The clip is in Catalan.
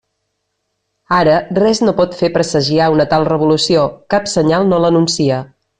Ara, res no pot fer presagiar una tal revolució, cap senyal no l'anuncia.